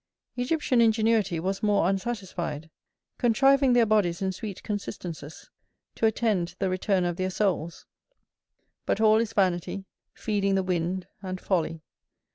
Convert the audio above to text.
Egyptian ingenuity was more unsatisfied, contriving their bodies in sweet consistences, to attend the return of their souls. But all is vanity, feeding the wind, and folly.